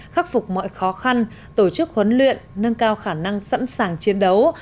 khắc phục mọi khó khăn tổ chức huấn luyện nâng cao khả năng sẵn sàng chiến đấu